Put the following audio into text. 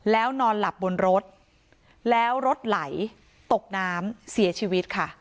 แล้วนอนหลับบนรถแล้วรถไหลตกน้ำเสียชีวิตค่ะ